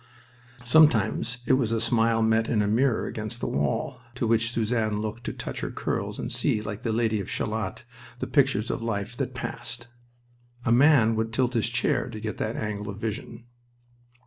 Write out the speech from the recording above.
Sometimes it was a smile met in the mirror against the wall, to which Suzanne looked to touch her curls and see, like the Lady of Shalott, the pictures of life that passed. A man would tilt his chair to get that angle of vision.